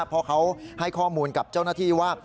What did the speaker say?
เพราะเขาให้ข้อมูลกับเจ้าหน้าที่ว่า